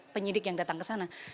penyidik yang datang ke sana